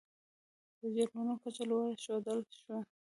د جرمونو کچه لوړه ښودل شوې.